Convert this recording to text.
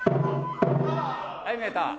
はい見えた。